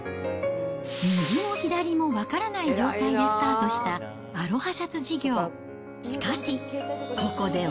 右も左も分からない状態でスタートしたアロハシャツ事業。